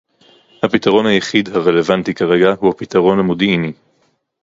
הפתרון היחיד הרלוונטי כרגע הוא הפתרון המודיעיני